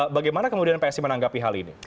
bagaimana kemudian psi menanggapi hal ini